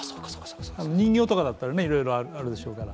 人形とかだったらいろいろあるでしょうから。